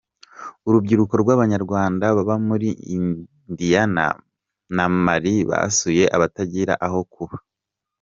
Urubyiruko rw’Abanyarwanda baba muri Indiyana na Mali basuye abatagira aho kuba